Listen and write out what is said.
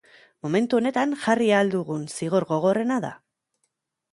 Momentu honetan jarri ahal dugun zigor gogorrena da.